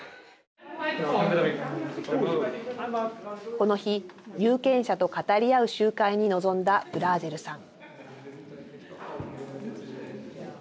この日、有権者と語り合う集会に臨んだブラーゼルさん。